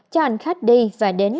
cho hành khách đi và đến